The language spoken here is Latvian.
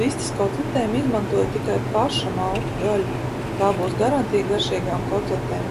Vistas kotletēm izmantoju tikai paša maltu gaļu, tā būs garantija garšīgām kotletēm.